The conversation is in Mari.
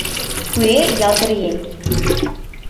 Куэ — ялт оръеҥ!